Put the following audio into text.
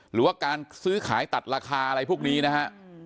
หรือว่าการซื้อขายตัดราคาอะไรพวกนี้นะฮะ